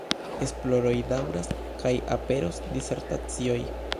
Esploroj daŭras kaj aperos disertacioj.